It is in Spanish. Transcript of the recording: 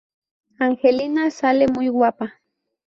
Angelina sale muy guapa".